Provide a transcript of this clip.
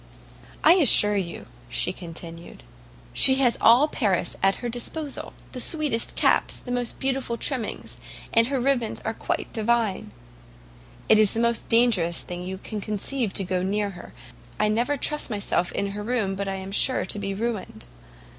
"I assure you," she continued, "she has all Paris in her disposal; the sweetest caps! the most beautiful trimmings! and her ribbons are quite divine! It is the most dangerous thing you can conceive to go near her; I never trust myself in her room but I am sure to be ruined.